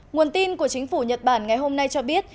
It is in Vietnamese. nguồn tin của chính phủ nhật bản ngày hôm nay cho biết